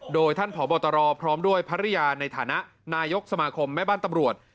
โดยท่านผอบตรพร้อมด้วยภรรยาในฐานะนายกสมาคมแม่บ้านตำรวจ